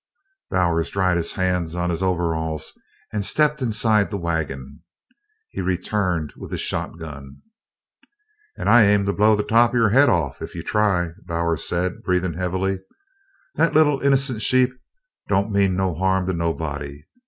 Bowers dried his hands on his overalls and stepped inside the wagon. He returned with his shotgun. "And I aim to blow the top of your head off ef you try it," Bowers said, breathing heavily. "That little innercent sheep don't mean no harm to nobody.